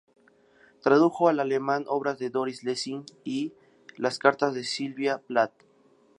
Tradujo al alemán obras de Doris Lessing y las cartas de Sylvia Plath.